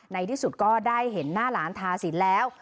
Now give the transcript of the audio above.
ในที่สุดก็ได้เห็นหน้าหลานทาสินแล้ว